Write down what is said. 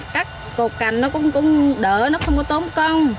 cắt cột cành nó cũng đỡ nó không có tốn công